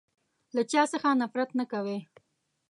له چا څخه نفرت نه کوی.